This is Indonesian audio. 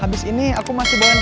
habis ini aku masih boleh